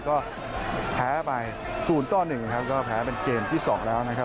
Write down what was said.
ก็แพ้ไปศูนย์ต้อนหนึ่งนะครับก็แพ้เป็นเกมที่สองแล้วนะครับ